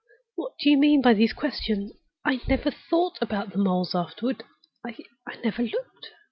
What do you mean by these questions? I never thought about the moles afterward; I never looked.